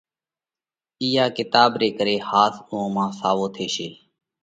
اِيئا ڪِتاٻ ري ڪري ۿاس اُوئون مانه ساوَو ٿيشي۔